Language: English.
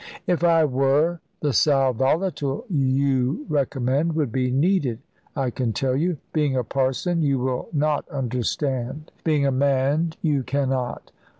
"If I were, the sal volatile yon recommend would be needed, I can tell you. Being a parson you will not understand; being a man, you cannot.